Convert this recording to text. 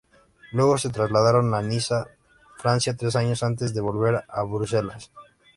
Luego se trasladaron a Niza, Francia tres años antes de volver a Bruselas.